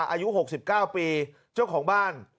อายุ๖๙ปีเจ้าของบ้าน